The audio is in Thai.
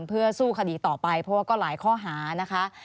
เพื่อสู้คดีต่อไปเพราะว่าก็หลายข้อหานะคะ